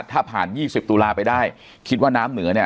ถ้าผ่านยี่สิบตุลาหนีไปได้คิดว่าน้ำเหนือเนี้ย